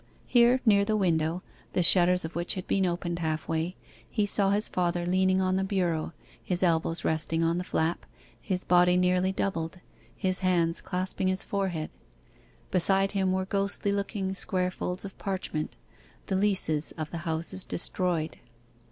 Here, near the window, the shutters of which had been opened half way, he saw his father leaning on the bureau, his elbows resting on the flap, his body nearly doubled, his hands clasping his forehead. Beside him were ghostly looking square folds of parchment the leases of the houses destroyed.